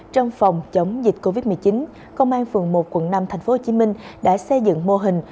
trong phòng chống dịch covid một mươi chín công an phường một quận năm tp hcm đã xây dựng mô hình